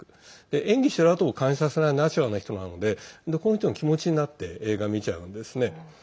演技してる跡を感じさせないナチュラルな人なのでこの人の気持ちになって映画、見ちゃうんですね。